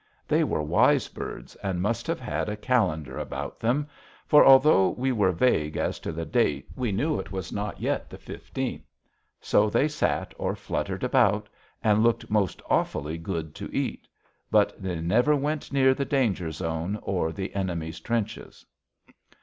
They were wise birds, and must have had a calendar about them, for, although we were vague as to the date, we knew it was not yet the 15th. So they sat or fluttered about, and looked most awfully good to eat. But they never went near the danger zone or the enemy's trenches.